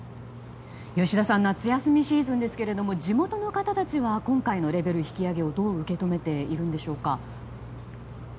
吉田さん夏休みシーズンですが地元の方たちは今回のレベル引き上げをどう受け止めているんでしょうか。